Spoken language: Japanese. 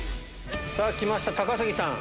さぁ来ました高杉さん。